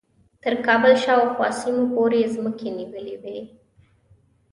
تر کابل شاوخوا سیمو پورې مځکې نیولې وې.